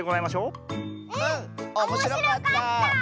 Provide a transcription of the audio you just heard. うんおもしろかった！